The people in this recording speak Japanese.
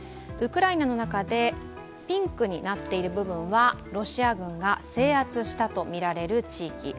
ウクライナの中でピンクになってるところはロシア軍が制圧したとみられる地域。